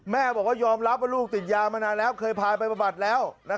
แม่บอกว่ายอมรับว่าลูกติดยามานานแล้วเคยพาไปบำบัดแล้ว